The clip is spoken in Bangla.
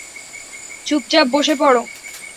চুপচাপ বসে পড়।